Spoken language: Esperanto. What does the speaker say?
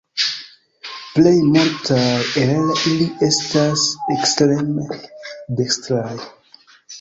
Plej multaj el ili estas ekstreme dekstraj.